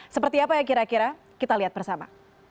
seperti apa ya kira kira kita lihat bersama